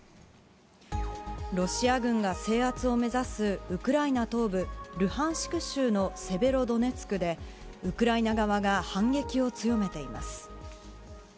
ロシア軍が制圧を目指すウクライナ東部ルハンシク州のセベロドネツクで、ウクライナ側が反撃を強めています。